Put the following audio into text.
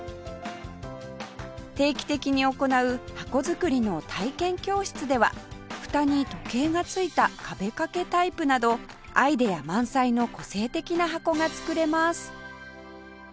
定期的に行う箱作りの体験教室ではフタに時計がついた壁掛けタイプなどアイデア満載の個性的な箱が作れます